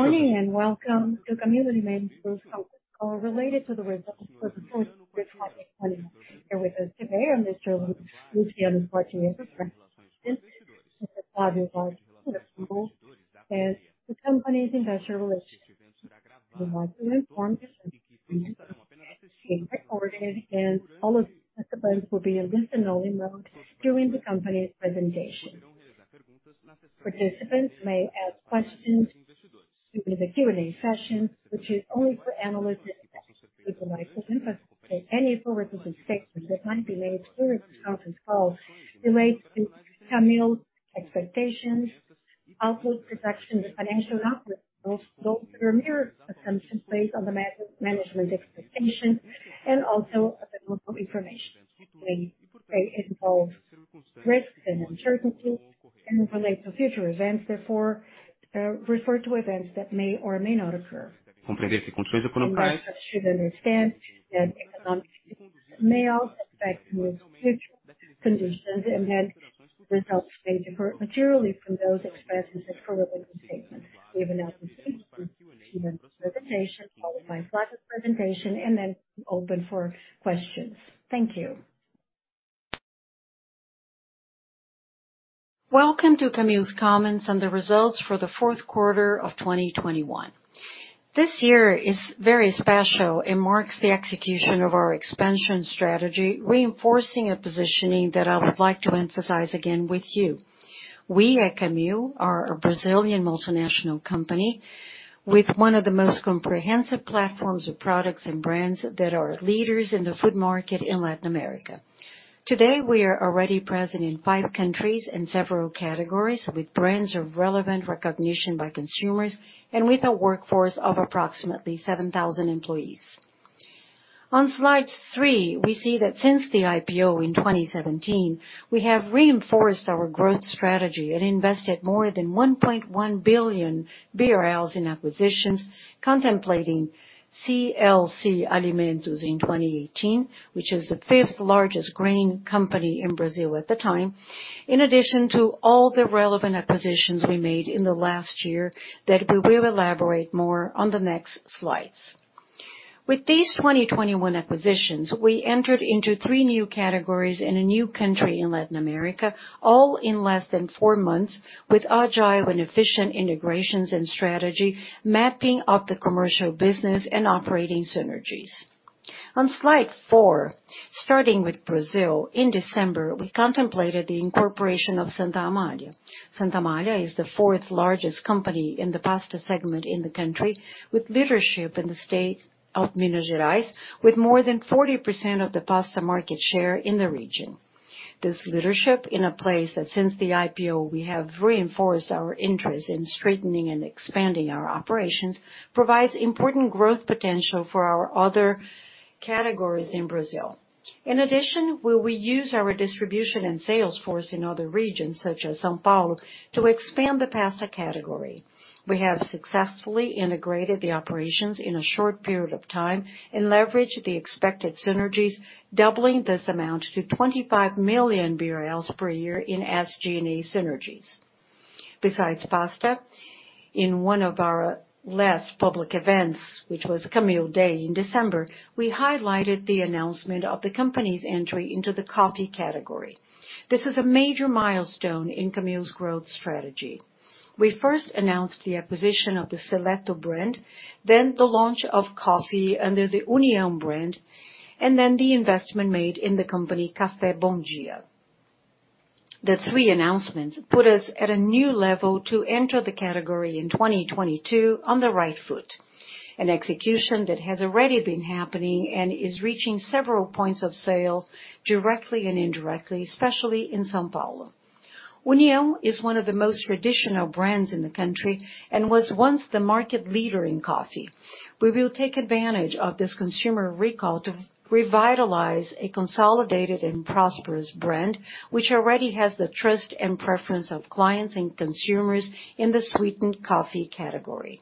Good morning, and welcome to Camil Alimentos's conference call related to the results for the fourth quarter of 2021. Here with us today are Mr. Luciano Quartiero, our President and CEO. Mr. Flavio Vargas, CFO, and the company's Investor Relations. We would like to inform you that this meeting is being recorded, and all the participants will be in listen-only mode during the company's presentation. Participants may ask questions during the Q&A session, which is only for analysts and people with investment interest. Any forward-looking statements that might be made during this conference call relate to Camil's expectations, outlook, projections and financial outlook. Those are mere assumptions based on the management expectations and also available information. They involve risks and uncertainties and relate to future events. Therefore, they refer to events that may or may not occur. Investors should understand that economic conditions may also affect Camil's future conditions, and hence, results may differ materially from those expressed in the forward-looking statement. We have announced a brief group management presentation, followed by Flavio's presentation, and then open for questions. Thank you. Welcome to Camil's comments on the results for the fourth quarter of 2021. This year is very special. It marks the execution of our expansion strategy, reinforcing a positioning that I would like to emphasize again with you. We at Camil are a Brazilian multinational company with one of the most comprehensive platforms of products and brands that are leaders in the food market in Latin America. Today, we are already present in five countries and several categories, with brands of relevant recognition by consumers and with a workforce of approximately 7,000 employees. On slide 3, we see that since the IPO in 2017, we have reinforced our growth strategy and invested more than 1.1 billion BRL in acquisitions, contemplating SLC Alimentos in 2018, which is the fifth-largest grain company in Brazil at the time. In addition to all the relevant acquisitions we made in the last year that we will elaborate more on the next slides. With these 2021 acquisitions, we entered into three new categories in a new country in Latin America, all in less than 4 months, with agile and efficient integrations and strategy, mapping of the commercial business and operating synergies. On slide 4, starting with Brazil, in December, we completed the incorporation of Santa Amália. Santa Amália is the fourth-largest company in the pasta segment in the country, with leadership in the state of Minas Gerais, with more than 40% of the pasta market share in the region. This leadership in a place that since the IPO we have reinforced our interest in strengthening and expanding our operations, provides important growth potential for our other categories in Brazil. In addition, we will use our distribution and sales force in other regions, such as São Paulo, to expand the pasta category. We have successfully integrated the operations in a short period of time and leveraged the expected synergies, doubling this amount to 25 million BRL per year in SG&A synergies. Besides pasta, in one of our last public events, which was Camil Day in December, we highlighted the announcement of the company's entry into the coffee category. This is a major milestone in Camil's growth strategy. We first announced the acquisition of the Seleto brand, then the launch of coffee under the União brand, and then the investment made in the company Café Bom Dia. The three announcements put us at a new level to enter the category in 2022 on the right foot, an execution that has already been happening and is reaching several points of sale directly and indirectly, especially in São Paulo. União is one of the most traditional brands in the country and was once the market leader in coffee. We will take advantage of this consumer recall to revitalize a consolidated and prosperous brand, which already has the trust and preference of clients and consumers in the sweetened coffee category.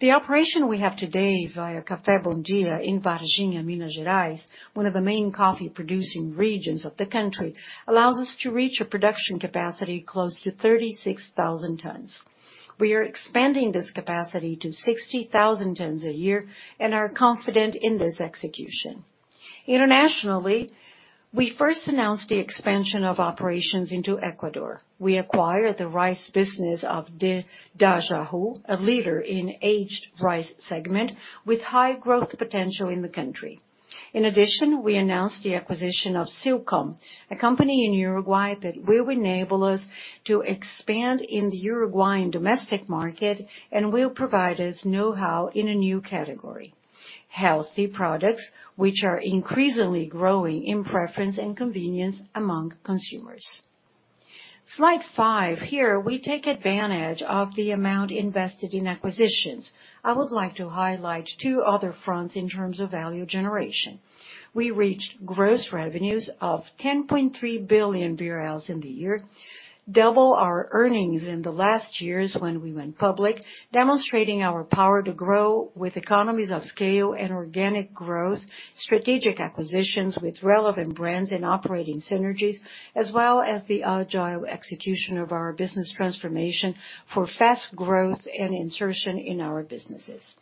The operation we have today via Café Bom Dia in Varginha, Minas Gerais, one of the main coffee-producing regions of the country, allows us to reach a production capacity close to 36,000 tons. We are expanding this capacity to 60,000 tons a year and are confident in this execution. Internationally, we first announced the expansion of operations into Ecuador. We acquired the rice business of Dajahu, a leader in aged rice segment with high growth potential in the country. In addition, we announced the acquisition of Silcom, a company in Uruguay that will enable us to expand in the Uruguayan domestic market and will provide us know-how in a new category: healthy products, which are increasingly growing in preference and convenience among consumers. Slide five. Here, we take advantage of the amount invested in acquisitions. I would like to highlight two other fronts in terms of value generation. We reached gross revenues of 10.3 billion BRL in the year, double our earnings in the last years when we went public, demonstrating our power to grow with economies of scale and organic growth, strategic acquisitions with relevant brands and operating synergies, as well as the agile execution of our business transformation for fast growth and insertion in our businesses.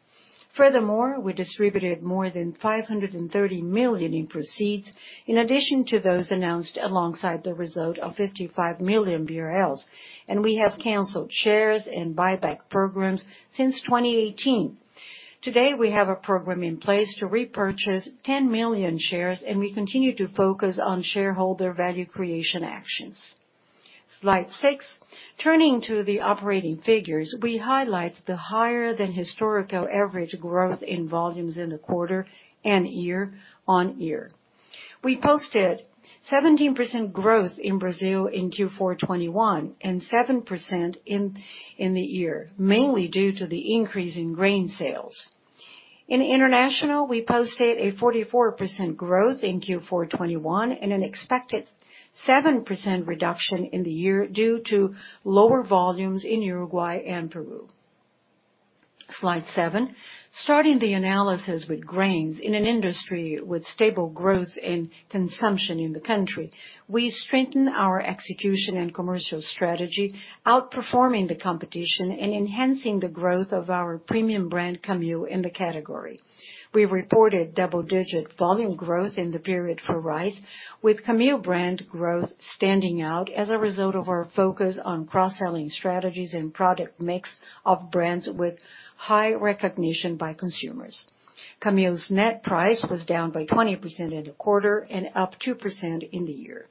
Furthermore, we distributed more than 530 million in proceeds, in addition to those announced alongside the result of 55 million BRL, and we have canceled shares and buyback programs since 2018. Today, we have a program in place to repurchase 10 million shares, and we continue to focus on shareholder value creation actions. Slide six. Turning to the operating figures, we highlight the higher than historical average growth in volumes in the quarter and year-on-year. We posted 17% growth in Brazil in Q4 2021 and 7% in the year, mainly due to the increase in grain sales. In international, we posted a 44% growth in Q4 2021 and an expected 7% reduction in the year due to lower volumes in Uruguay and Peru. Slide 7. Starting the analysis with grains in an industry with stable growth in consumption in the country, we strengthen our execution and commercial strategy, outperforming the competition and enhancing the growth of our premium brand, Camil, in the category. We reported double-digit volume growth in the period for rice, with Camil brand growth standing out as a result of our focus on cross-selling strategies and product mix of brands with high recognition by consumers. Camil's net price was down by 20% in the quarter and up 2% in the year.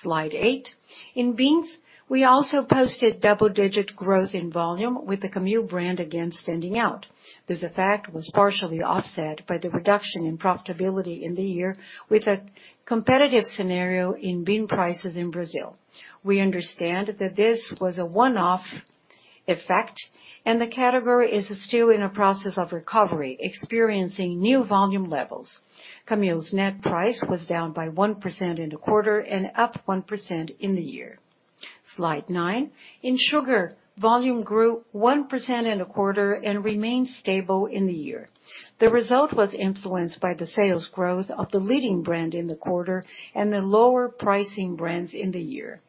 Slide 8. In beans, we also posted double-digit growth in volume with the Camil brand again standing out. This effect was partially offset by the reduction in profitability in the year with a competitive scenario in bean prices in Brazil. We understand that this was a one-off effect, and the category is still in a process of recovery, experiencing new volume levels. Camil's net price was down by 1% in the quarter and up 1% in the year. Slide 9. In sugar, volume grew 1% in the quarter and remained stable in the year. The result was influenced by the sales growth of the leading brand in the quarter and the lower pricing brands in the year.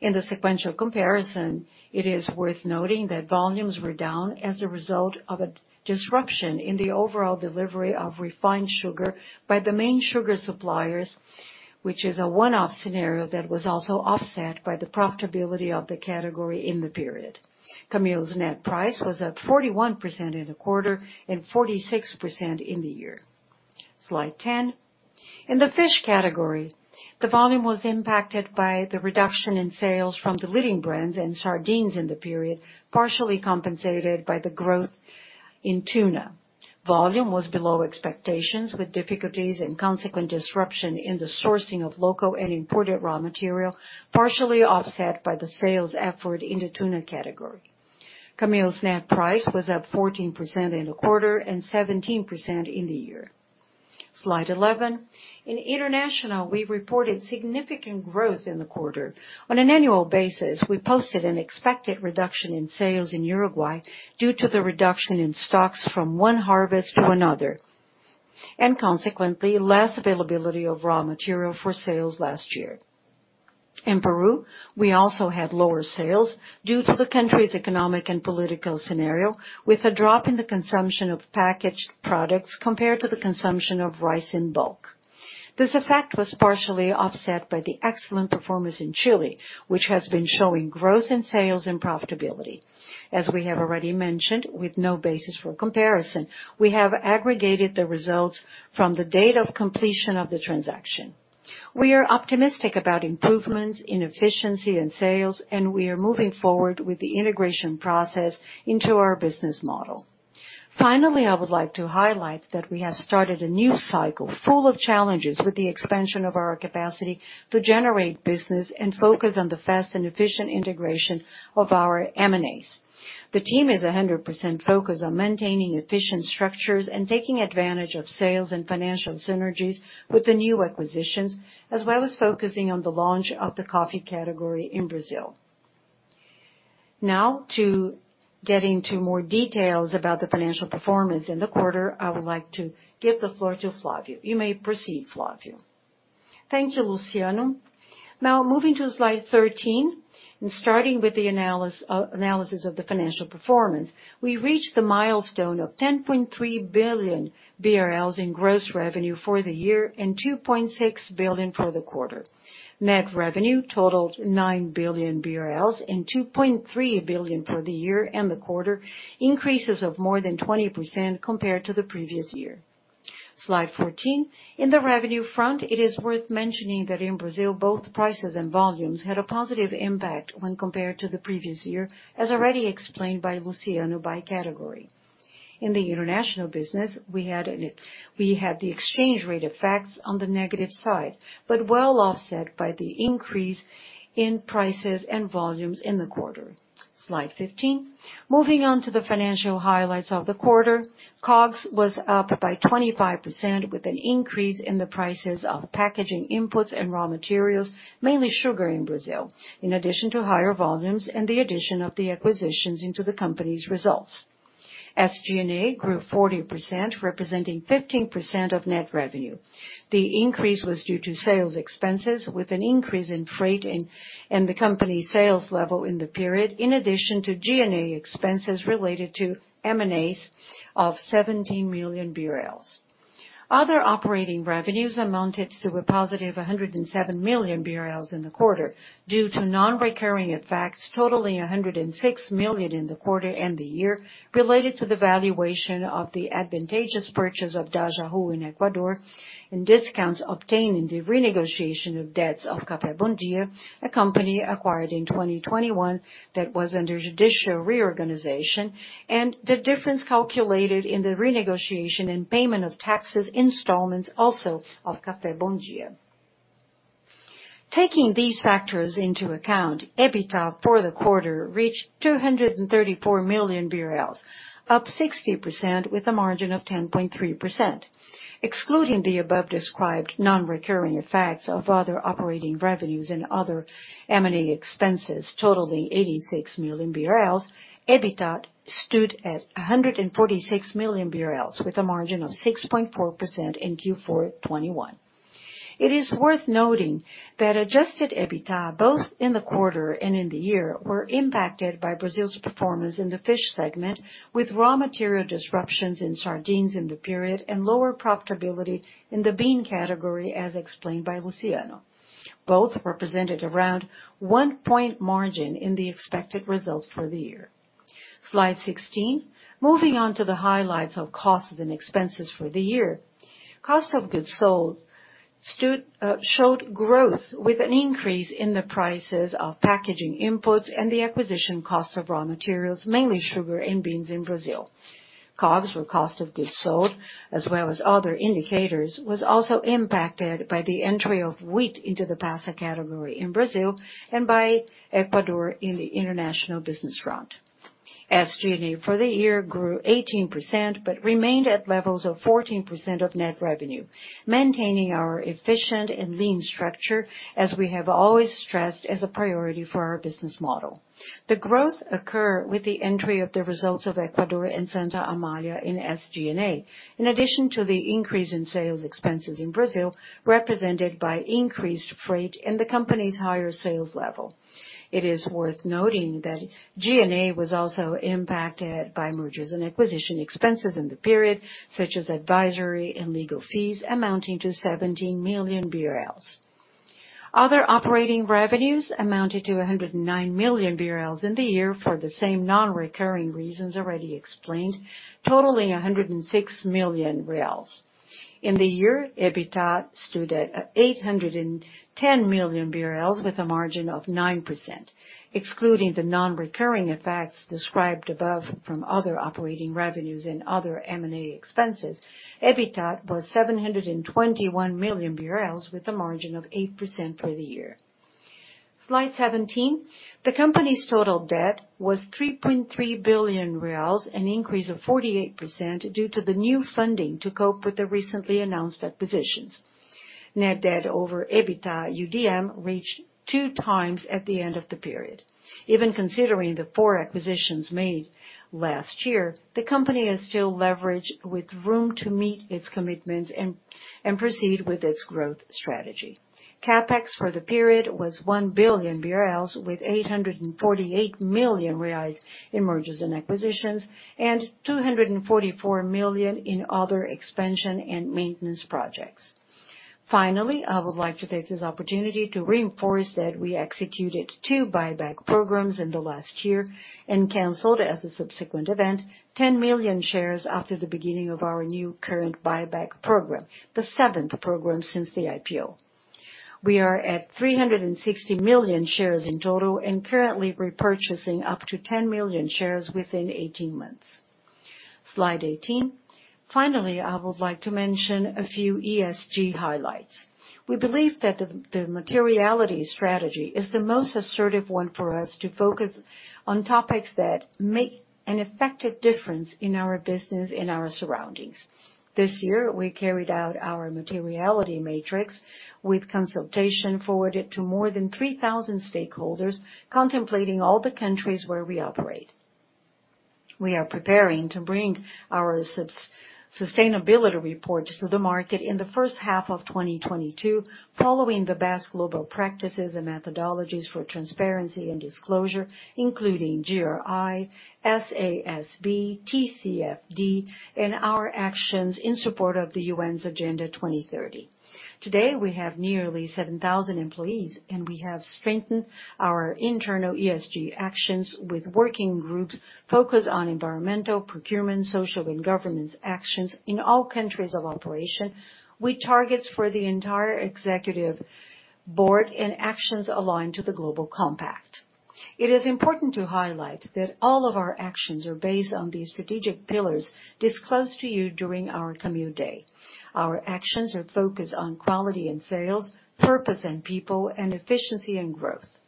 In the sequential comparison, it is worth noting that volumes were down as a result of a disruption in the overall delivery of refined sugar by the main sugar suppliers, which is a one-off scenario that was also offset by the profitability of the category in the period. Camil's net price was up 41% in the quarter and 46% in the year. Slide 10. In the fish category, the volume was impacted by the reduction in sales from the leading brands and sardines in the period, partially compensated by the growth in tuna. Volume was below expectations with difficulties and consequent disruption in the sourcing of local and imported raw material, partially offset by the sales effort in the tuna category. Camil's net price was up 14% in the quarter and 17% in the year. Slide 11. In international, we reported significant growth in the quarter. On an annual basis, we posted an expected reduction in sales in Uruguay due to the reduction in stocks from one harvest to another, and consequently, less availability of raw material for sales last year. In Peru, we also had lower sales due to the country's economic and political scenario, with a drop in the consumption of packaged products compared to the consumption of rice in bulk. This effect was partially offset by the excellent performance in Chile, which has been showing growth in sales and profitability. As we have already mentioned, with no basis for comparison, we have aggregated the results from the date of completion of the transaction. We are optimistic about improvements in efficiency and sales, and we are moving forward with the integration process into our business model. Finally, I would like to highlight that we have started a new cycle full of challenges with the expansion of our capacity to generate business and focus on the fast and efficient integration of our M&As. The team is 100% focused on maintaining efficient structures and taking advantage of sales and financial synergies with the new acquisitions, as well as focusing on the launch of the coffee category in Brazil. Now, to get into more details about the financial performance in the quarter, I would like to give the floor to Flávio. You may proceed, Flávio. Thank you, Luciano. Now, moving to slide 13 and starting with the analysis of the financial performance. We reached the milestone of 10.3 billion BRL in gross revenue for the year and 2.6 billion for the quarter. Net revenue totaled 9 billion BRL and 2.3 billion for the year and the quarter, increases of more than 20% compared to the previous year. Slide 14. In the revenue front, it is worth mentioning that in Brazil, both prices and volumes had a positive impact when compared to the previous year, as already explained by Luciano by category. In the international business, we had the exchange rate effects on the negative side, but well offset by the increase in prices and volumes in the quarter. Slide 15. Moving on to the financial highlights of the quarter, COGS was up by 25% with an increase in the prices of packaging inputs and raw materials, mainly sugar in Brazil, in addition to higher volumes and the addition of the acquisitions into the company's results. SG&A grew 40%, representing 15% of net revenue. The increase was due to sales expenses with an increase in freight and the company's sales level in the period, in addition to G&A expenses related to M&As of BRL 17 million. Other operating revenues amounted to a positive 107 million reals in the quarter due to non-recurring effects totaling 106 million in the quarter and the year related to the valuation of the advantageous purchase of Dajahu in Ecuador and discounts obtained in the renegotiation of debts of Café Bom Dia, a company acquired in 2021 that was under judicial reorganization, and the difference calculated in the renegotiation and payment of taxes installments also of Café Bom Dia. Taking these factors into account, EBITDA for the quarter reached 234 million BRL, up 60% with a margin of 10.3%. Excluding the above described non-recurring effects of other operating revenues and other M&A expenses totaling 86 million BRL, EBITDA stood at 146 million BRL with a margin of 6.4% in Q4 2021. It is worth noting that adjusted EBITDA, both in the quarter and in the year, were impacted by Brazil's performance in the fish segment with raw material disruptions in sardines in the period and lower profitability in the bean category, as explained by Luciano. Both represented around 1% margin in the expected results for the year. Slide 16. Moving on to the highlights of costs and expenses for the year. Cost of goods sold showed growth with an increase in the prices of packaging inputs and the acquisition cost of raw materials, mainly sugar and beans in Brazil. COGS or cost of goods sold, as well as other indicators, was also impacted by the entry of wheat into the pasta category in Brazil and by Ecuador in the international business front. SG&A for the year grew 18% but remained at levels of 14% of net revenue, maintaining our efficient and lean structure as we have always stressed as a priority for our business model. The growth occurred with the entry of the results of Ecuador and Santa Amália in SG&A, in addition to the increase in sales expenses in Brazil, represented by increased freight and the company's higher sales level. It is worth noting that G&A was also impacted by mergers and acquisitions expenses in the period, such as advisory and legal fees amounting to 17 million BRL. Other operating revenues amounted to 109 million BRL in the year for the same non-recurring reasons already explained, totaling 106 million BRL. In the year, EBITDA stood at 810 million BRL with a margin of 9%. Excluding the non-recurring effects described above from other operating revenues and other M&A expenses, EBITDA was 721 million BRL with a margin of 8% for the year. Slide 17. The company's total debt was 3.3 billion reais, an increase of 48% due to the new funding to cope with the recently announced acquisitions. Net debt over EBITDA UDM reached 2x at the end of the period. Even considering the four acquisitions made last year, the company is still leveraged with room to meet its commitments and proceed with its growth strategy. CapEx for the period was 1 billion BRL with 848 million reais in mergers and acquisitions and 244 million in other expansion and maintenance projects. Finally, I would like to take this opportunity to reinforce that we executed two buyback programs in the last year and canceled, as a subsequent event, 10 million shares after the beginning of our new current buyback program, the seventh program since the IPO. We are at 360 million shares in total and currently repurchasing up to 10 million shares within 18 months. Slide 18. Finally, I would like to mention a few ESG highlights. We believe that the materiality strategy is the most assertive one for us to focus on topics that make an effective difference in our business and our surroundings. This year, we carried out our materiality matrix with consultation forwarded to more than 3,000 stakeholders contemplating all the countries where we operate. We are preparing to bring our sustainability report to the market in the first half of 2022 following the best global practices and methodologies for transparency and disclosure, including GRI, SASB, TCFD, and our actions in support of the UN's Agenda 2030. Today, we have nearly 7,000 employees, and we have strengthened our internal ESG actions with working groups focused on environmental, procurement, social, and governance actions in all countries of operation with targets for the entire executive board and actions aligned to the global compact. It is important to highlight that all of our actions are based on the strategic pillars disclosed to you during our Camil Day. Our actions are focused on quality and sales, purpose and people, and efficiency and growth.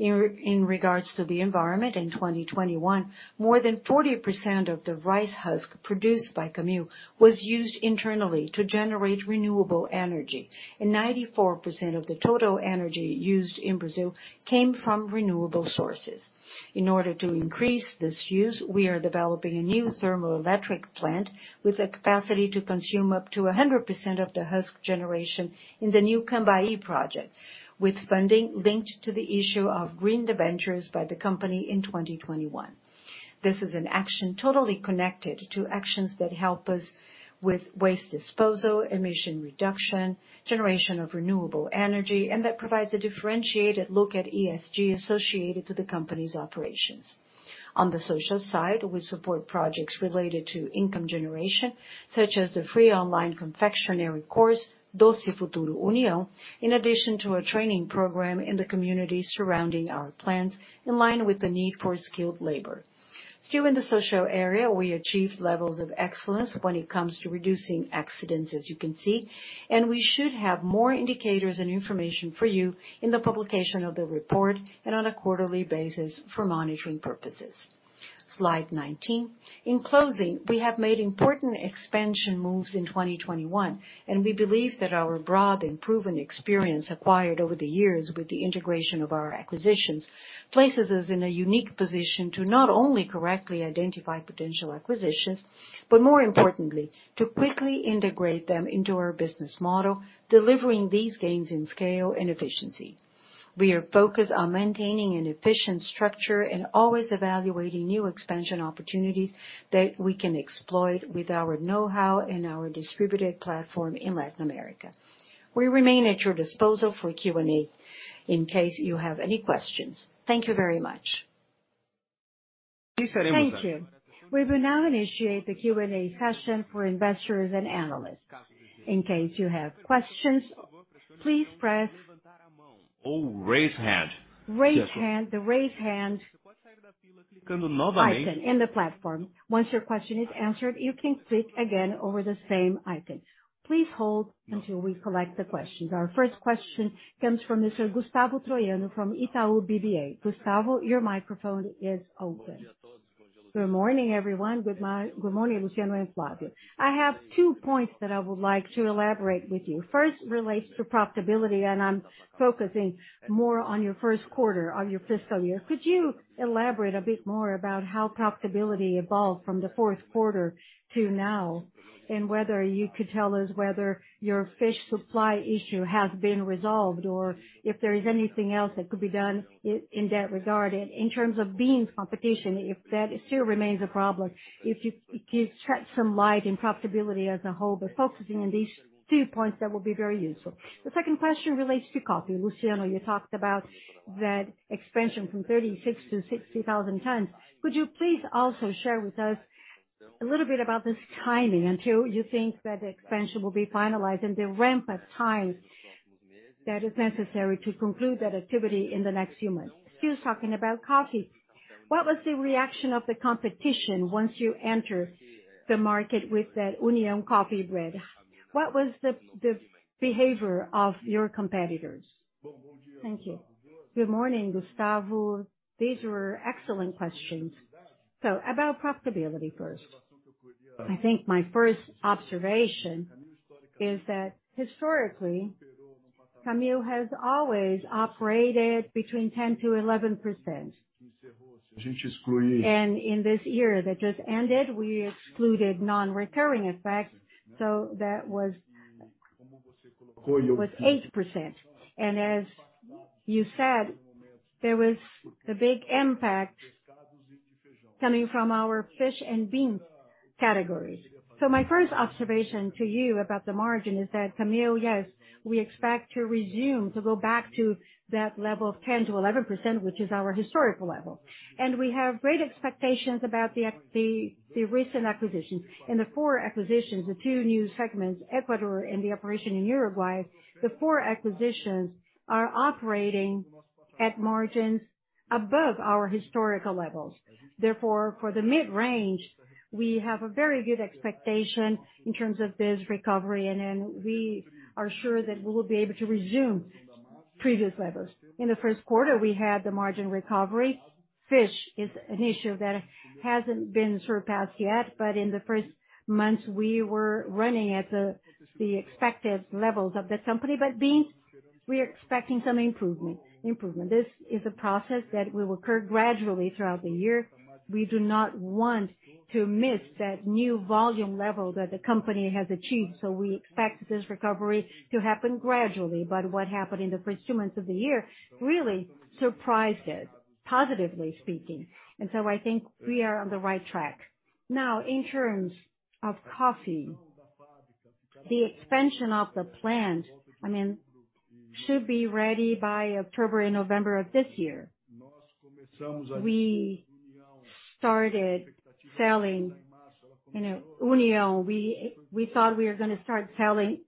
In regards to the environment, in 2021, more than 40% of the rice husk produced by Camil was used internally to generate renewable energy, and 94% of the total energy used in Brazil came from renewable sources. In order to increase this use, we are developing a new thermoelectric plant with a capacity to consume up to 100% of the husk generation in the new Cambaí project, with funding linked to the issue of green debentures by the company in 2021. This is an action totally connected to actions that help us with waste disposal, emission reduction, generation of renewable energy, and that provides a differentiated look at ESG associated to the company's operations. On the social side, we support projects related to income generation, such as the free online confectionery course, Doce Futuro União, in addition to a training program in the communities surrounding our plants in line with the need for skilled labor. Still in the social area, we achieved levels of excellence when it comes to reducing accidents, as you can see, and we should have more indicators and information for you in the publication of the report and on a quarterly basis for monitoring purposes. Slide 19. In closing, we have made important expansion moves in 2021, and we believe that our broad and proven experience acquired over the years with the integration of our acquisitions places us in a unique position to not only correctly identify potential acquisitions, but more importantly, to quickly integrate them into our business model, delivering these gains in scale and efficiency. We are focused on maintaining an efficient structure and always evaluating new expansion opportunities that we can exploit with our know-how and our distributed platform in Latin America. We remain at your disposal for Q&A in case you have any questions. Thank you very much. Thank you. We will now initiate the Q&A session for investors and analysts. In case you have questions, please press. Raise hand. Raise hand. The Raise hand icon in the platform. Once your question is answered, you can click again over the same icon. Please hold until we collect the questions. Our first question comes from Mr. Gustavo Troyano from Itaú BBA. Gustavo, your microphone is open. Good morning, everyone. Good morning, Luciano and Flavio. I have two points that I would like to elaborate with you. First relates to profitability, and I'm focusing more on your first quarter of your fiscal year. Could you elaborate a bit more about how profitability evolved from the fourth quarter to now, and whether you could tell us whether your fish supply issue has been resolved, or if there is anything else that could be done in that regard? In terms of beans competition, if that still remains a problem, if you'd shed some light on profitability as a whole, but focusing on these two points, that will be very useful. The second question relates to coffee. Luciano, you talked about that expansion from 36 to 60,000 tons. Could you please also share with us a little bit about this timing until you think that the expansion will be finalized and the ramp-up time that is necessary to conclude that activity in the next few months? Still talking about coffee, what was the reaction of the competition once you entered the market with that União coffee brand? What was the behavior of your competitors? Thank you. Good morning, Gustavo. These are excellent questions. About profitability first. I think my first observation is that historically, Camil has always operated between 10%-11%. In this year that just ended, we excluded non-recurring effects, so that was 8%. As you said, there was the big impact coming from our fish and beans categories. My first observation to you about the margin is that Camil, yes, we expect to resume, to go back to that level of 10%-11%, which is our historical level. We have great expectations about the recent acquisitions. In the four acquisitions, the two new segments, Ecuador and the operation in Uruguay, the four acquisitions are operating at margins above our historical levels. Therefore, for the mid-range, we have a very good expectation in terms of this recovery, and then we are sure that we will be able to resume previous levels. In the first quarter, we had the margin recovery. Fish is an issue that hasn't been surpassed yet, but in the first months, we were running at the expected levels of the company. Beans, we are expecting some improvement. This is a process that will occur gradually throughout the year. We do not want to miss that new volume level that the company has achieved, so we expect this recovery to happen gradually. What happened in the first two months of the year really surprised us, positively speaking. I think we are on the right track. Now, in terms of coffee, the expansion of the plant, I mean, should be ready by October or November of this year. We started selling, you know, União. We thought we were gonna start selling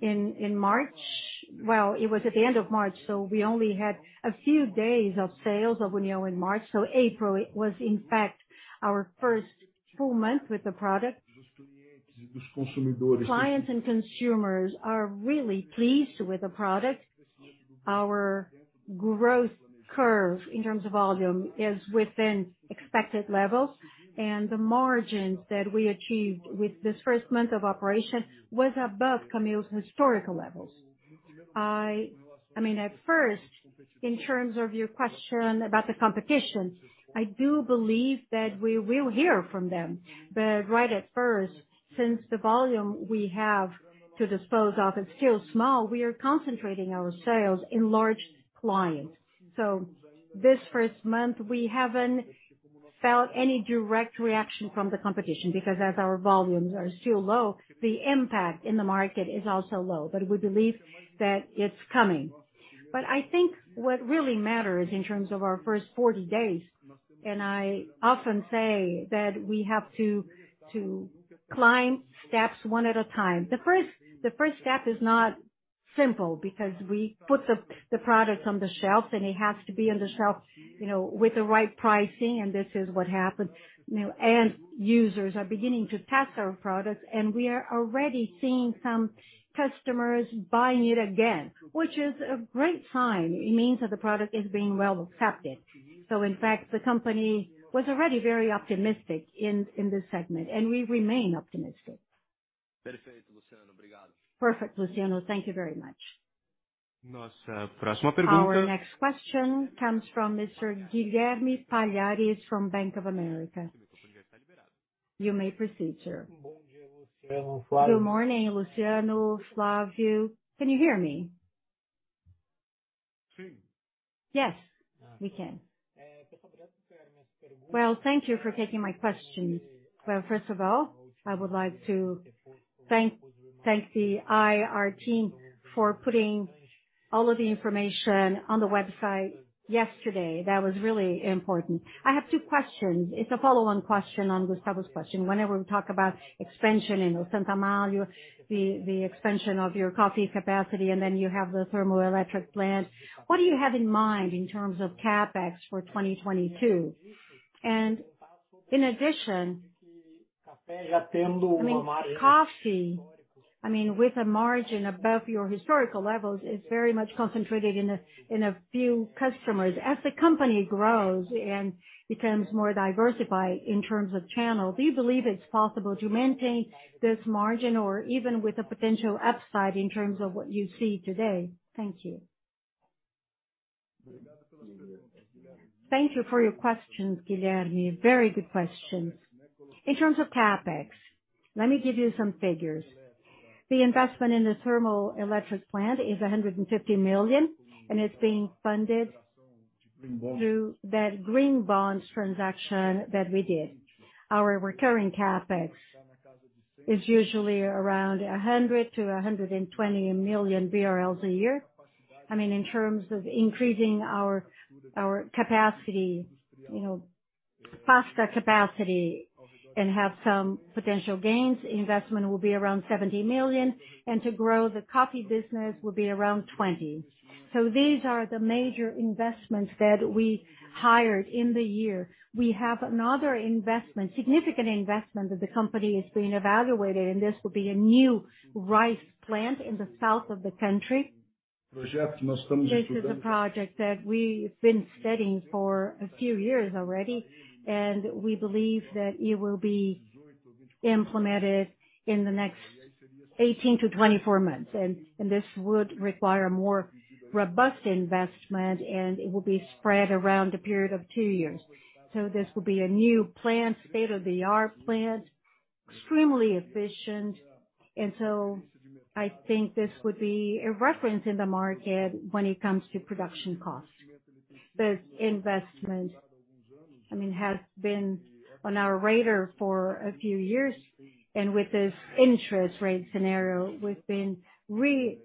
in March. Well, it was at the end of March, so we only had a few days of sales of União in March. April was in fact our first full month with the product. Clients and consumers are really pleased with the product. Our growth curve in terms of volume is within expected levels, and the margins that we achieved with this first month of operation was above Camil's historical levels. I mean, at first, in terms of your question about the competition, I do believe that we will hear from them. Right at first, since the volume we have to dispose of is still small, we are concentrating our sales in large clients. This first month, we haven't felt any direct reaction from the competition because as our volumes are still low, the impact in the market is also low. We believe that it's coming. I think what really matters in terms of our first 40 days, and I often say that we have to climb steps one at a time. The first step is not simple because we put the products on the shelf, and it has to be on the shelf, you know, with the right pricing, and this is what happened. You know, end users are beginning to test our products, and we are already seeing some customers buying it again, which is a great sign. It means that the product is being well accepted. In fact, the company was already very optimistic in this segment, and we remain optimistic. Perfect, Luciano. Thank you very much. Our next question comes from Mr. Guilherme Palhares from Bank of America. You may proceed, sir. Good morning, Luciano, Flavio. Can you hear me? Yes, we can. Well, thank you for taking my question. Well, first of all, I would like to thank the IR team for putting all of the information on the website yesterday. That was really important. I have two questions. It's a follow-on question on Gustavo's question. Whenever we talk about expansion in Santa Amália, the expansion of your coffee capacity, and then you have the thermoelectric plant. What do you have in mind in terms of CapEx for 2022? In addition, I mean, coffee, I mean, with a margin above your historical levels is very much concentrated in a few customers. As the company grows and becomes more diversified in terms of channel, do you believe it's possible to maintain this margin or even with a potential upside in terms of what you see today? Thank you. Thank you for your questions, Guilherme. Very good questions. In terms of CapEx, let me give you some figures. The investment in the thermal electric plant is 150 million, and it's being funded through that green bonds transaction that we did. Our recurring CapEx is usually around 100-120 million BRL a year. I mean, in terms of increasing our capacity, you know, pasta capacity and have some potential gains, investment will be around 70 million, and to grow the coffee business will be around 20 million. These are the major investments that we hired in the year. We have another investment, significant investment that the company is being evaluated, and this will be a new rice plant in the south of the country. This is a project that we've been studying for a few years already, and we believe that it will be implemented in the next 18-24 months. This would require more robust investment, and it will be spread around a period of two years. This will be a new plant, state-of-the-art plant, extremely efficient. I think this would be a reference in the market when it comes to production costs. This investment, I mean, has been on our radar for a few years. With this interest rate scenario, we've been reassessing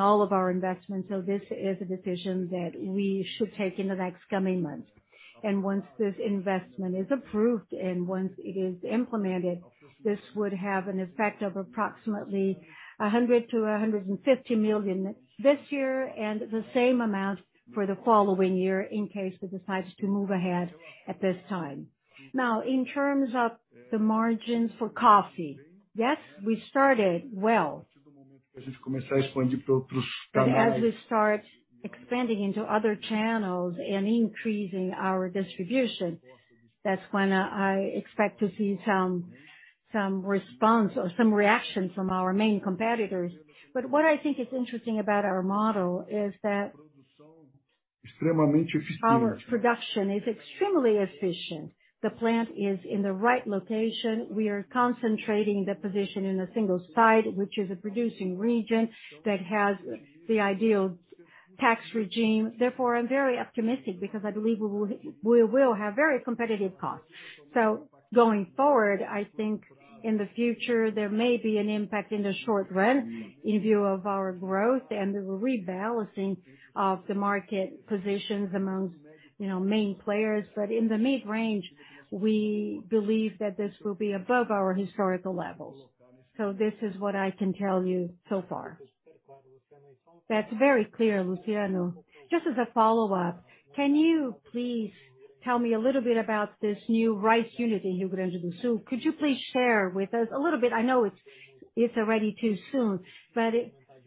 all of our investments. This is a decision that we should take in the next coming months. Once this investment is approved and once it is implemented, this would have an effect of approximately 100 million-150 million this year and the same amount for the following year in case we decide to move ahead at this time. Now, in terms of the margins for coffee. Yes, we started well. As we start expanding into other channels and increasing our distribution, that's when I expect to see some response or some reaction from our main competitors. What I think is interesting about our model is that our production is extremely efficient. The plant is in the right location. We are concentrating the position in a single site, which is a producing region that has the ideal tax regime. Therefore, I'm very optimistic because I believe we will have very competitive costs. Going forward, I think in the future there may be an impact in the short run in view of our growth and the rebalancing of the market positions amongst, you know, main players. In the mid-range, we believe that this will be above our historical levels. This is what I can tell you so far. That's very clear, Luciano. Just as a follow-up, can you please tell me a little bit about this new rice unit in Rio Grande do Sul? Could you please share with us a little bit? I know it's already too soon, but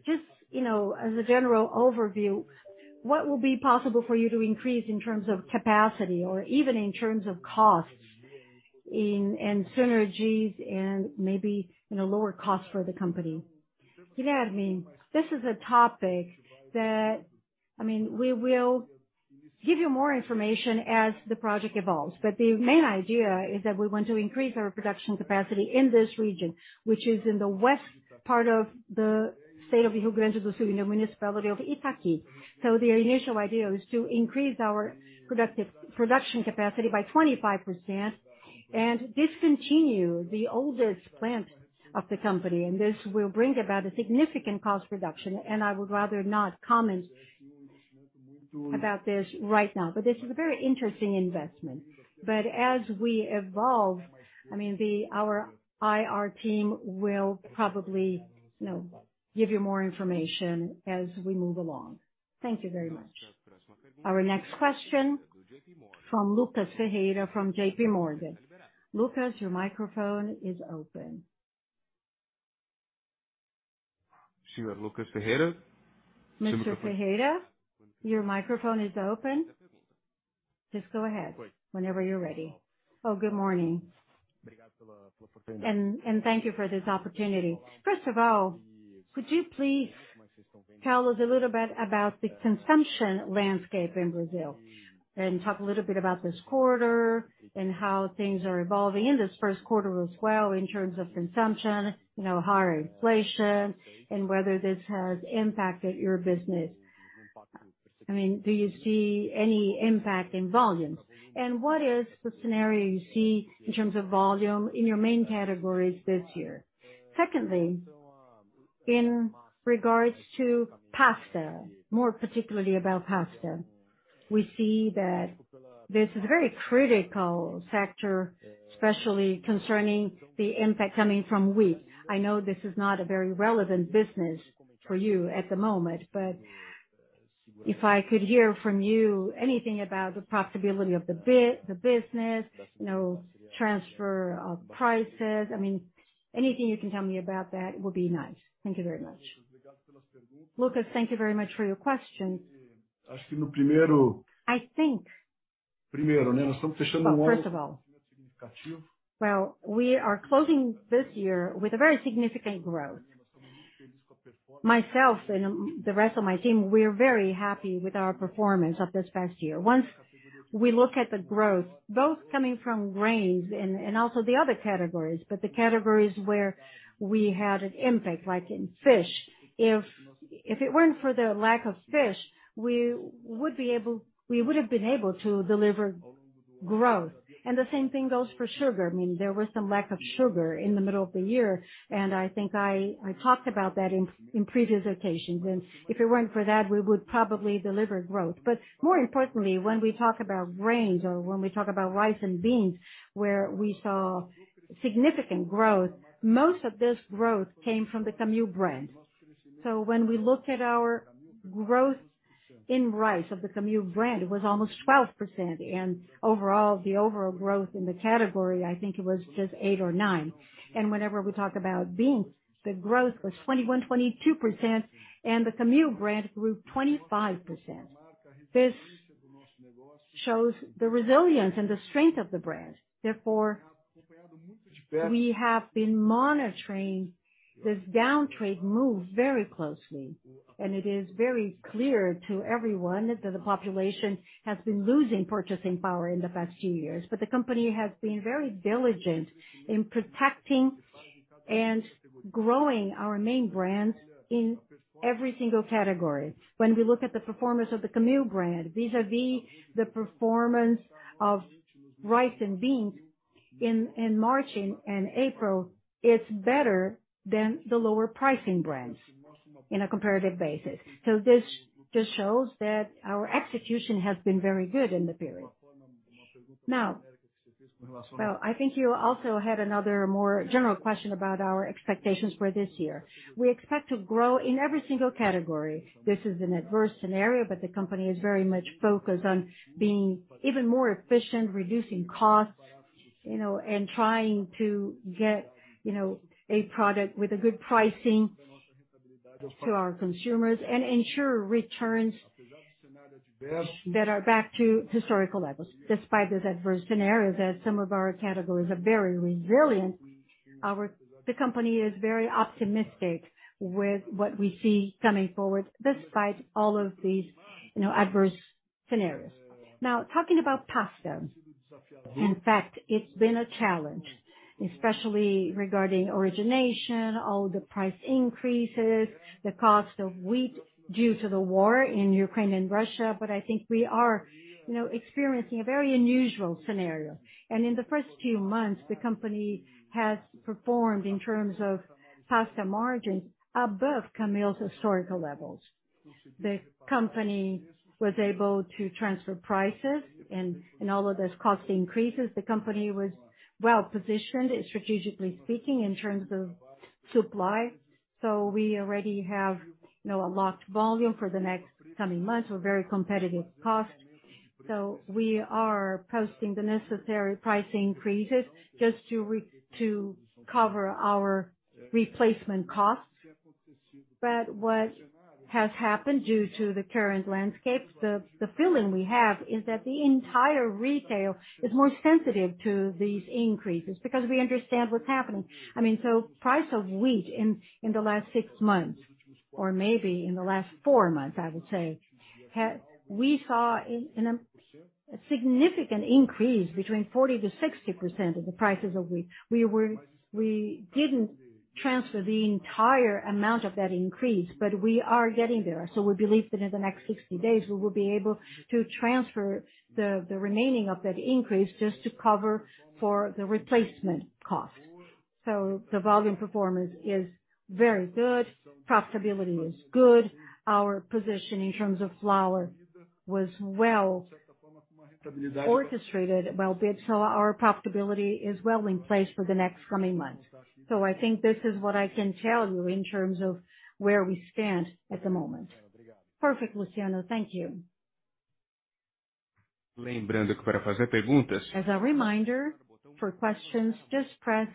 just, you know, as a general overview, what will be possible for you to increase in terms of capacity or even in terms of costs in, and synergies and maybe, you know, lower costs for the company? You know, I mean, this is a topic that, I mean, we will give you more information as the project evolves. The main idea is that we want to increase our production capacity in this region, which is in the west part of the state of Rio Grande do Sul, in the municipality of Itaqui. The initial idea was to increase our production capacity by 25% and discontinue the oldest plant of the company, and this will bring about a significant cost reduction. I would rather not comment about this right now, but this is a very interesting investment. As we evolve, I mean, the, our IR team will probably, you know, give you more information as we move along. Thank you very much. Our next question from Lucas Ferreira from JPMorgan. Lucas, your microphone is open. Sir Lucas Ferreira. Mr. Ferreira, your microphone is open. Just go ahead whenever you're ready. Oh, good morning. Thank you for this opportunity. First of all, could you please tell us a little bit about the consumption landscape in Brazil, and talk a little bit about this quarter and how things are evolving in this first quarter as well in terms of consumption, you know, higher inflation and whether this has impacted your business. I mean, do you see any impact in volumes? And what is the scenario you see in terms of volume in your main categories this year? Secondly, in regards to pasta, more particularly about pasta, we see that this is a very critical sector, especially concerning the impact coming from wheat. I know this is not a very relevant business for you at the moment, but if I could hear from you anything about the profitability of the business, you know, transfer pricing. I mean, anything you can tell me about that would be nice. Thank you very much. Lucas, thank you very much for your question. I think. First of all, well, we are closing this year with a very significant growth. Myself and the rest of my team, we're very happy with our performance of this past year. Once we look at the growth, both coming from grains and also the other categories. The categories where we had an impact, like in fish. If it weren't for the lack of fish, we would have been able to deliver growth. The same thing goes for sugar. I mean, there was some lack of sugar in the middle of the year, and I think I talked about that in previous occasions. If it weren't for that, we would probably deliver growth. More importantly, when we talk about grains or when we talk about rice and beans, where we saw significant growth, most of this growth came from the Camil brand. When we look at our growth in rice of the Camil brand, it was almost 12%. Overall, the overall growth in the category, I think it was just 8 or 9%. Whenever we talk about beans, the growth was 21%-22%, and the Camil brand grew 25%. This shows the resilience and the strength of the brand. Therefore, we have been monitoring this downtrend move very closely, and it is very clear to everyone that the population has been losing purchasing power in the past few years. The company has been very diligent in protecting and growing our main brands in every single category. When we look at the performance of the Camil brand vis-à-vis the performance of rice and beans in March and April, it's better than the lower pricing brands in a comparative basis. This just shows that our execution has been very good in the period. Well, I think you also had another more general question about our expectations for this year. We expect to grow in every single category. This is an adverse scenario, but the company is very much focused on being even more efficient, reducing costs, you know, and trying to get, you know, a product with a good pricing to our consumers and ensure returns that are back to historical levels. Despite this adverse scenario that some of our categories are very resilient, the company is very optimistic with what we see coming forward despite all of these, you know, adverse scenarios. Now, talking about pasta. In fact, it's been a challenge, especially regarding origination, all the price increases, the cost of wheat due to the war in Ukraine and Russia. I think we are, you know, experiencing a very unusual scenario. In the first few months, the company has performed in terms of pasta margins above Camil's historical levels. The company was able to transfer prices and all of those cost increases. The company was well-positioned, strategically speaking, in terms of supply. We already have, you know, a locked volume for the next coming months with very competitive cost. We are posting the necessary price increases just to cover our replacement costs. What has happened due to the current landscape, the feeling we have is that the entire retail is more sensitive to these increases because we understand what's happening. I mean, price of wheat in the last six months or maybe in the last four months, I would say, we saw a significant increase between 40%-60% of the prices of wheat. We didn't transfer the entire amount of that increase, but we are getting there. We believe that in the next 60 days, we will be able to transfer the remaining of that increase just to cover for the replacement cost. The volume performance is very good, profitability is good. Our position in terms of flour was well orchestrated, well bid, so our profitability is well in place for the next coming months. I think this is what I can tell you in terms of where we stand at the moment. Perfect, Luciano. Thank you. As a reminder, for questions, just press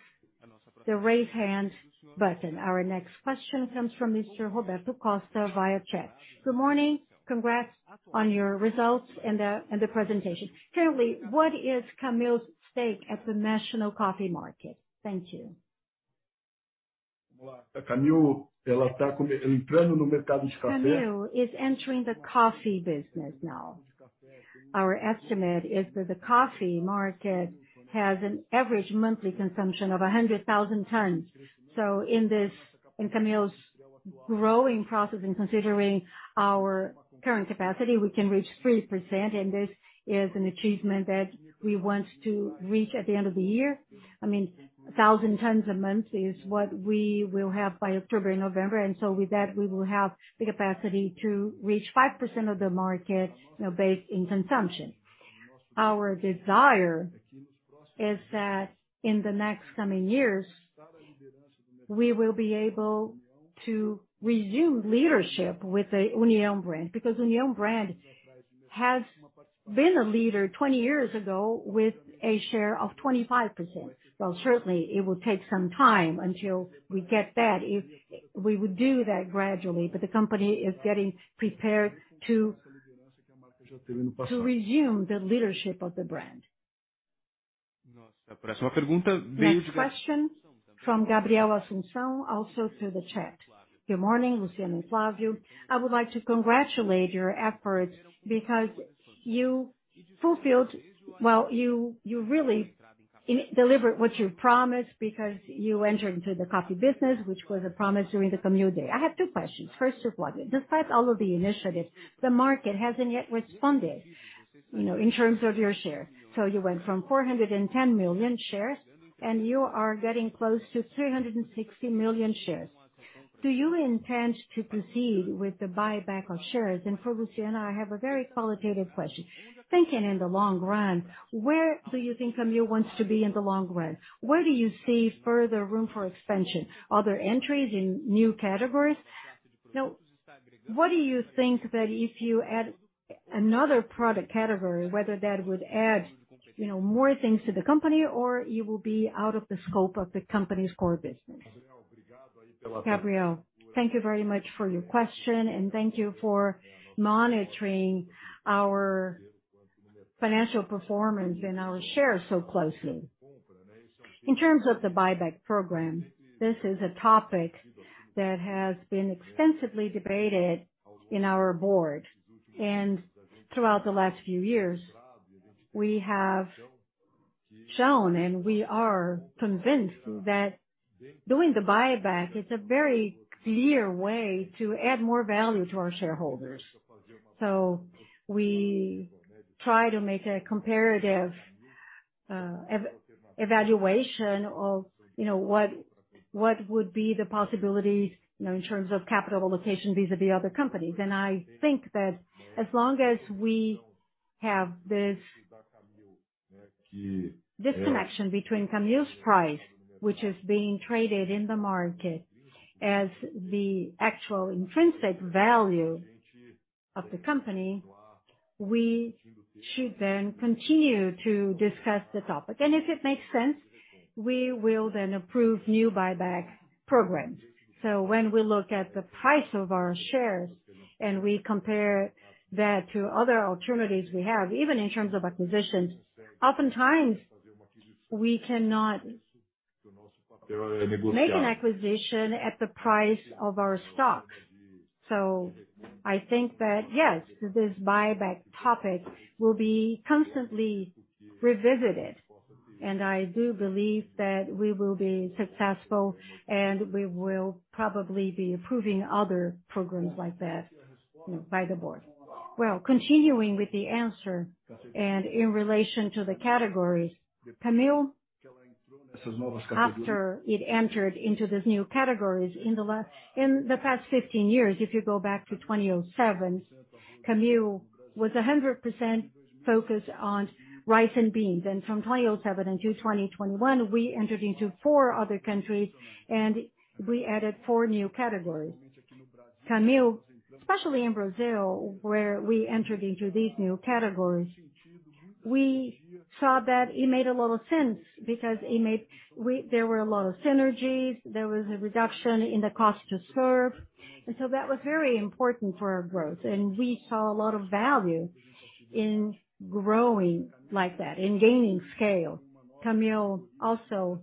the Raise Hand button. Our next question comes from Mr. Roberto Costa via chat. Good morning. Congrats on your results and the presentation. Currently, what is Camil's stake in the national coffee market? Thank you. Camil is entering the coffee business now. Our estimate is that the coffee market has an average monthly consumption of 100,000 tons. In Camil's growing process and considering our current capacity, we can reach 3%, and this is an achievement that we want to reach at the end of the year. I mean, 1,000 tons a month is what we will have by October, November. With that, we will have the capacity to reach 5% of the market, you know, based on consumption. Our desire is that in the next coming years, we will be able to resume leadership with the União brand, because União brand has been a leader 20 years ago with a share of 25%. Well, certainly it will take some time until we get that. We would do that gradually, but the company is getting prepared to resume the leadership of the brand. Next question from Gabriel Assunção, also through the chat. Good morning, Luciano and Flavio. I would like to congratulate your efforts because you fulfilled. Well, you really delivered what you promised because you entered into the coffee business, which was a promise during the Camil Day. I have two questions. First of all, despite all of the initiatives, the market hasn't yet responded, you know, in terms of your share. You went from 410 million shares, and you are getting close to 360 million shares. Do you intend to proceed with the buyback of shares? For Luciano, I have a very qualitative question. Thinking in the long run, where do you think Camil wants to be in the long run? Where do you see further room for expansion? Are there entries in new categories? Now, what do you think that if you add another product category, whether that would add, you know, more things to the company or it will be out of the scope of the company's core business? Gabriel, thank you very much for your question, and thank you for monitoring our financial performance and our shares so closely. In terms of the buyback program, this is a topic that has been extensively debated in our board. Throughout the last few years, we have shown and we are convinced that doing the buyback is a very clear way to add more value to our shareholders. We try to make a comparative evaluation of, you know, what would be the possibilities, you know, in terms of capital allocation vis-à-vis other companies. I think that as long as we have this connection between Camil's price, which is being traded in the market as the actual intrinsic value of the company, we should then continue to discuss the topic. If it makes sense, we will then approve new buyback programs. When we look at the price of our shares and we compare that to other alternatives we have, even in terms of acquisitions, oftentimes we cannot make an acquisition at the price of our stocks. I think that, yes, this buyback topic will be constantly revisited, and I do believe that we will be successful, and we will probably be approving other programs like that, you know, by the board. Well, continuing with the answer and in relation to the categories, Camil, after it entered into these new categories in the past 15 years, if you go back to 2007, Camil was 100% focused on rice and beans. From 2007 until 2021, we entered into 4 other countries, and we added four new categories. Camil, especially in Brazil, where we entered into these new categories, we saw that it made a lot of sense because there were a lot of synergies, there was a reduction in the cost to serve. So that was very important for our growth, and we saw a lot of value in growing like that, in gaining scale. Camil also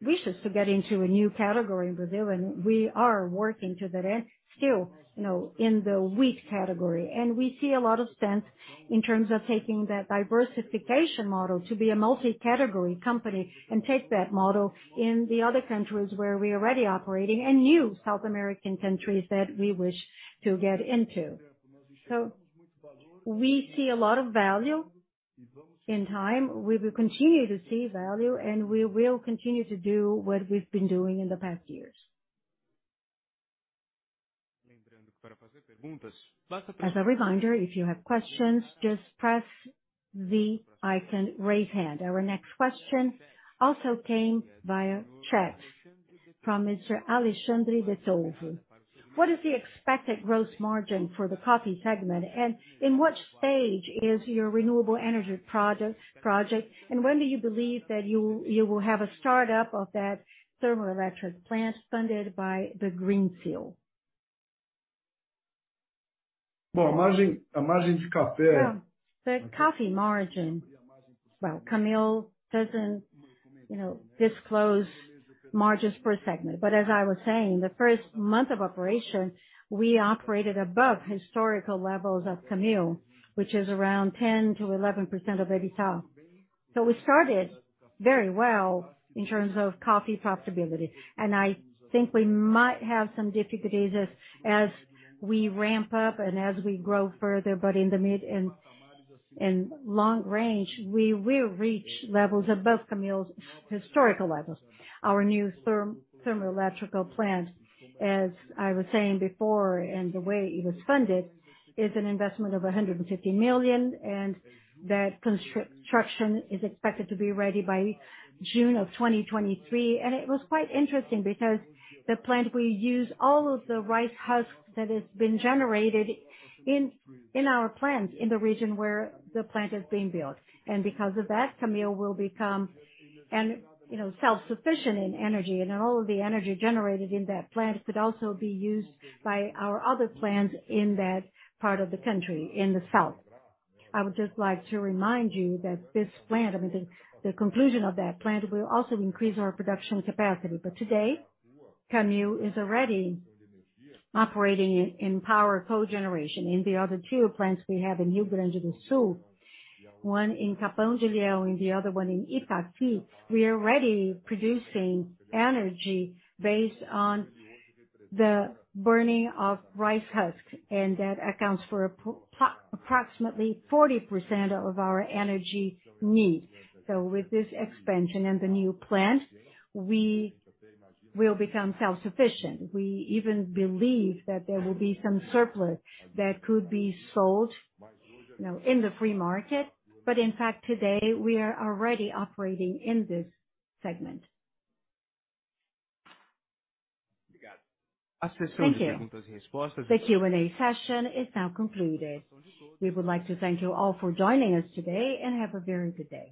wishes to get into a new category in Brazil, and we are working to that end still, you know, in the wheat category. We see a lot of sense in terms of taking that diversification model to be a multi-category company and take that model in the other countries where we're already operating and new South American countries that we wish to get into. We see a lot of value. In time, we will continue to see value, and we will continue to do what we've been doing in the past years. As a reminder, if you have questions, just press the icon Raise Hand. Our next question also came via chat from Mr. Alexandre de Souza. What is the expected gross margin for the coffee segment? And in what stage is your renewable energy project, and when do you believe that you will have a startup of that thermoelectric plant funded by the green debentures? The coffee margin. Well, Camil doesn't, you know, disclose margins per segment. As I was saying, the first month of operation, we operated above historical levels of Camil, which is around 10%-11% of EBITDA. We started very well in terms of coffee profitability. I think we might have some difficulties as we ramp up and as we grow further. In the mid and long range, we will reach levels above Camil's historical levels. Our new thermoelectric plant, as I was saying before, and the way it was funded, is an investment of 150 million, and that construction is expected to be ready by June 2023. It was quite interesting because the plant will use all of the rice husks that has been generated in our plants in the region where the plant is being built. Because of that, Camil will become an, you know, self-sufficient in energy. All of the energy generated in that plant could also be used by our other plants in that part of the country, in the south. I would just like to remind you that this plant, I mean, the conclusion of that plant will also increase our production capacity. Today, Camil is already operating in power co-generation. In the other two plants we have in Rio Grande do Sul, one in Capão do Leão and the other one in Itaqui, we're already producing energy based on the burning of rice husks, and that accounts for approximately 40% of our energy needs. With this expansion and the new plant, we will become self-sufficient. We even believe that there will be some surplus that could be sold, you know, in the free market. In fact, today, we are already operating in this segment. Thank you. The Q&A session is now concluded. We would like to thank you all for joining us today, and have a very good day.